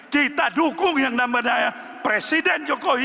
kita dukung yang namanya presiden jokowi